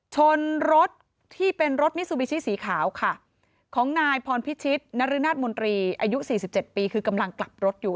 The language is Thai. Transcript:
ชนรถที่เป็นรถมิซูบิชิสีขาวค่ะของนายพรพิชิตนรนาศมนตรีอายุ๔๗ปีคือกำลังกลับรถอยู่